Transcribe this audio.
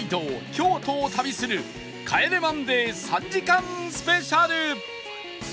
京都を旅する『帰れマンデー』３時間スペシャル